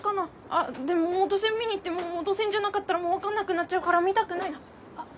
あでも元栓見に行っても元栓じゃなかったらもう分かんなくなっちゃうから見たくないな。